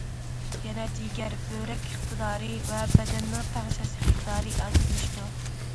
يەنى جىگەر، بۆرەك ئىقتىدارى ۋە بەدەننىڭ تەڭشەش ئىقتىدارى ئاجىزلىشىدۇ.